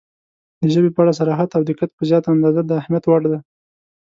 • د ژبې په اړه صراحت او دقت په زیاته اندازه د اهمیت وړ دی.